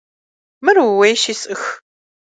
Мыр ууейщи, сӏых.